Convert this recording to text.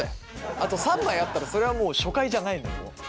あと３枚あったらそれはもう初回じゃないのよもう。